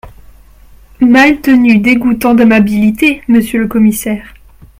Maltenu Dégoûtant d’amabilité, Monsieur le commissaire…